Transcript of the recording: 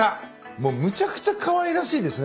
もうむちゃくちゃかわいらしいですね。